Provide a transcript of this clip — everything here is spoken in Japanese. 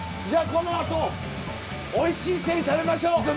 じゃあこのあとおいしいせり食べましょう。